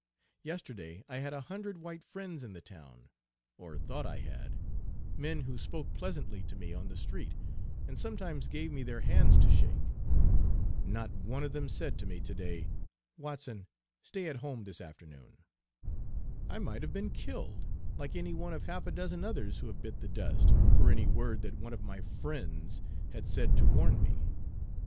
Yesterday I had a hundred white friends in the town, or thought I had, men who spoke pleasantly to me on the street, and sometimes gave me their hands to shake. Not one of them said to me today: 'Watson, stay at home this afternoon.' I might have been killed, like any one of half a dozen others who have bit the dust, for any word that one of my 'friends' had said to warn me.